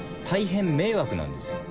大変迷惑なんです。